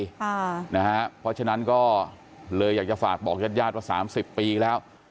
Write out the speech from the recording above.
เพราะฉะนั้นก็เลยอยากจะฝากบอกญาติญาติว่า๓๐ปีแล้ว